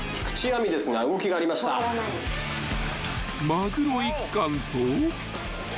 ［マグロ１貫と］ＯＫ。